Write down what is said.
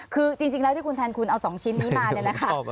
คือจริงแล้วที่คุณแทนคุณเอา๒ชิ้นนี้มาเนี่ยนะคะ